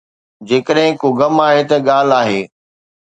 جيڪڏهن ڪو غم آهي ته ڳالهه آهي.